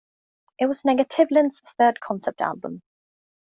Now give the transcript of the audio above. It was Negativland's third concept album.